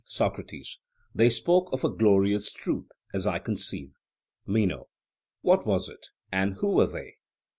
SOCRATES: They spoke of a glorious truth, as I conceive. MENO: What was it? and who were they?